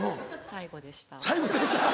「最後でした」。